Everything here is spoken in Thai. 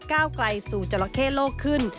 ก้าวไกลสู่จราเข้โลกขึ้น